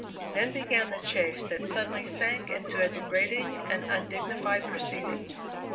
Then began the chase that suddenly sank into a degrading and undignified proceeding.